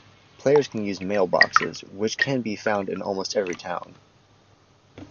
Players can use mailboxes, which can be found in almost every town.